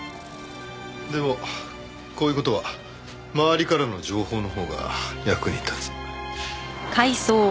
でもこういう事は周りからの情報のほうが役に立つ。